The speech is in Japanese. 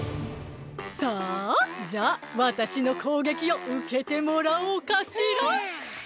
さあじゃあわたしのこうげきをうけてもらおうかしら！